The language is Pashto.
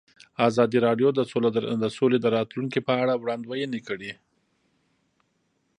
ازادي راډیو د سوله د راتلونکې په اړه وړاندوینې کړې.